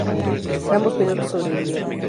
Ambos pilotos sobrevivieron.